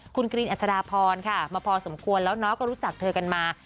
คุณกรีนอัศดาพรค่ะมาพอสมควรแล้วน้องก็รู้จักเธอกันมา